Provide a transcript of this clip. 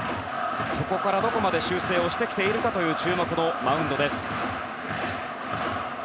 そこからどこまで修正してきているかという注目のマウンドです。